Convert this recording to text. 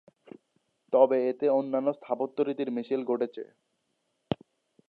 তবে এতে অন্যান্য স্থাপত্য রীতির মিশেল ঘটেছে।